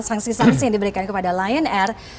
sanksi sanksi yang diberikan kepada lion air